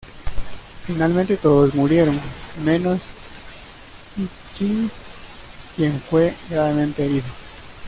Finalmente todos murieron, menos I Ching, quien fue gravemente herido.